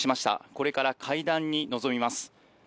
これから会談に臨みます。